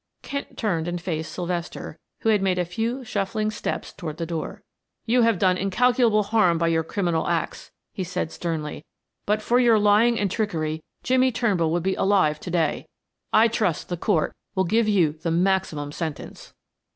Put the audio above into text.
Kent turned and faced Sylvester, who had made a few shuffling steps toward the door. "You have done incalculable harm by your criminal acts," he said sternly. "But for your lying and trickery Jimmie Turnbull would be alive to day. I trust the Court will give you the maximum sentence."